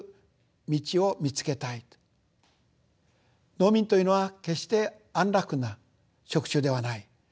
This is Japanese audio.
農民というのは決して安楽な職種ではない。